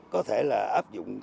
có thể là áp dụng